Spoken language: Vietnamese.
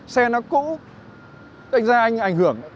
xe nó cũ anh ra anh ảnh hưởng